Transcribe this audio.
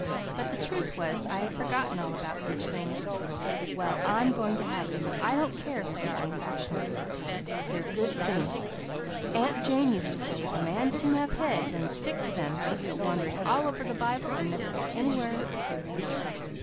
But the truth was I had forgotten all about such things. "Well, I'm going to have them, and I don't care if they are unfashionable," said Peter. "They're good things. Aunt Jane used to say if a man didn't have heads and stick to them he'd go wandering all over the Bible and never get anywhere in particular."